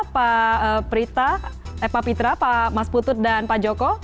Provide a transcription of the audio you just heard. pak prita pak pitra pak mas putut dan pak joko